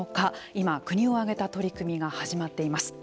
今、国を挙げた取り組みが始まっています。